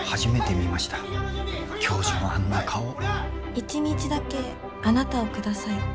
１日だけあなたをください。